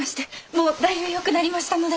もうだいぶよくなりましたので。